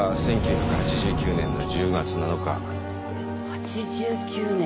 ８９年。